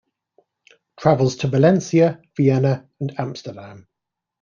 Travels to Valencia, Vienna and Amsterdam.